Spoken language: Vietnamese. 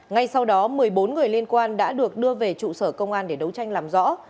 ngay sau đó một mươi bốn người liên quan đã được đưa về trụ sở công an để đấu tranh làm rõ